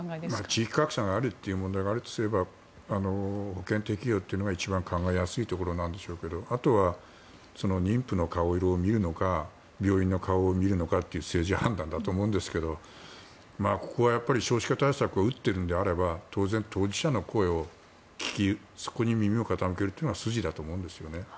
地域格差があるという問題があるとすれば保険適用というのが一番考えやすいところなんでしょうけどあとは、妊婦の顔色を見るのか病院の顔色を見るのかという政治判断だと思うんですけどここは少子化対策を打っているのであれば当然、当事者の声を聞きそこに耳を傾けるのが筋だと思うんですよね。